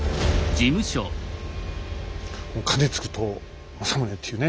兼続と政宗っていうね